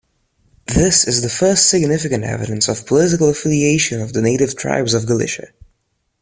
This is the first significant evidence of political affiliation of native tribes of Galicia.